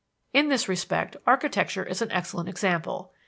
In this respect, architecture is an excellent example.